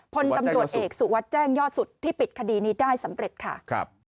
พลตำรวจเอกสุวัสดิ์แจ้งยอดสุดที่ปิดคดีนี้ได้สำเร็จค่ะครับ